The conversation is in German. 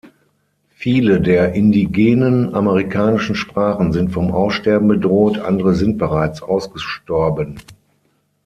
Viele der indigenen amerikanischen Sprachen sind vom Aussterben bedroht, andere sind bereits ausgestorben.